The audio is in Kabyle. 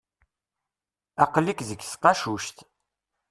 Aql-ik deg tqacuct.